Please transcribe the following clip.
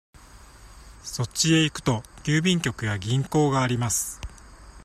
そっちへ行くと、郵便局や銀行があります。